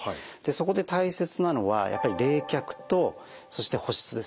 そこで大切なのはやっぱり冷却とそして保湿ですね。